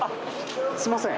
すいません。